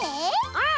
うん！